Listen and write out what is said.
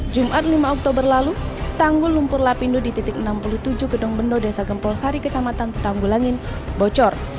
jumat lima oktober lalu tanggul lumpur lapindo di titik enam puluh tujuh gedung bendo desa gempol sari kecamatan tanggulangin bocor